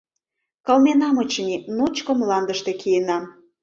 — Кылменам, очыни... ночко мландыште киенам.